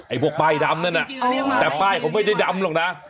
พวกป้ายดำนั่นน่ะแต่ป้ายเขาไม่ได้ดำหรอกนะ